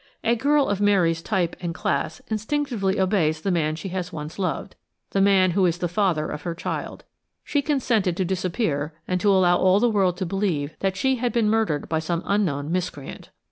A girl of Mary's type and class instinctively obeys the man she has once loved, the man who is the father of her child. She consented to disappear and to allow all the world to believe that she had been murdered by some unknown miscreant.